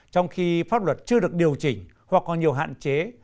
trong khi pháp luật chưa được điều chỉnh hoặc còn nhiều hạn chế